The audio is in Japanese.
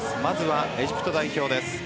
まずはエジプト代表です。